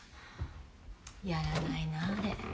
やらないなあれ。